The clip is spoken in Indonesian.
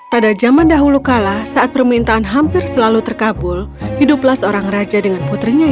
pada zaman dahulu kala saat permintaan hampir selalu terkabul hiduplah seorang raja dengan putrinya